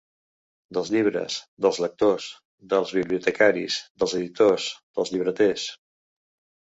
Dels llibres, dels lectors, dels bibliotecaris, dels editors, dels llibreters.